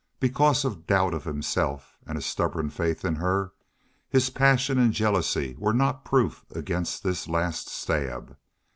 Because of doubt of himself and a stubborn faith in her, his passion and jealousy were not proof against this last stab.